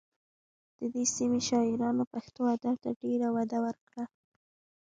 د دې سیمې شاعرانو پښتو ادب ته ډېره وده ورکړه